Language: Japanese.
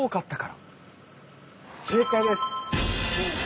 正解です！